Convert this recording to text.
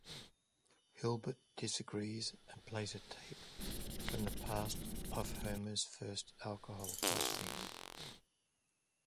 Hibbert disagrees and plays a tape from the past of Homer's first alcohol poisoning.